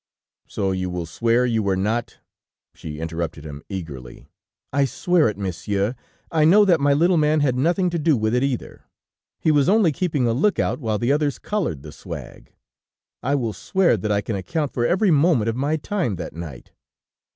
"'So you will swear you were not ' "She interrupted him eagerly: "'I swear it, monsieur, and I know that my little man had nothing to do with it either. He was only keeping a look out while the others collared the swag. ... I will swear that I can account for every moment of my time that night.